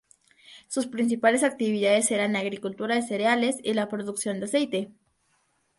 Sus principales actividades eran la agricultura de cereales y la producción de aceite.